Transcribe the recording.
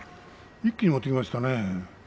一気に持っていきましたね。